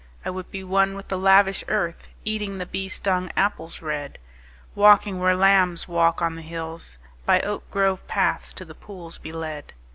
I would be one with the lavish earth, Eating the bee stung apples red: Walking where lambs walk on the hills; By oak grove paths to the pools be led.